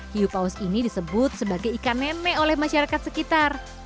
hiupaus ini disebut sebagai ikan nenek oleh masyarakat sekitar